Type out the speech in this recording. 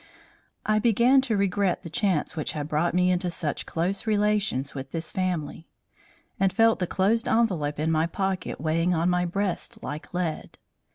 I began to regret the chance which had brought me into such close relations with this family, and felt the closed envelope in my pocket weighing on my breast like lead.